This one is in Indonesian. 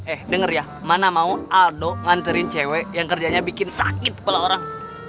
eh denger ya mana mau aldo nganterin cewek yang kerjanya bikin sakit kepala orang